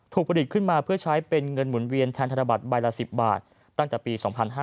ผลิตขึ้นมาเพื่อใช้เป็นเงินหมุนเวียนแทนธนบัตรใบละ๑๐บาทตั้งแต่ปี๒๕๕๙